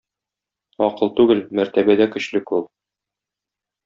Акыл түгел, мәртәбәдә - көчле кул.